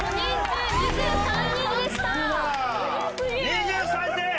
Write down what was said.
２３点！